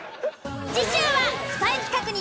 次週は。